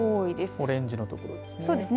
オレンジ色の所ですね。